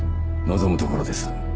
望むところです。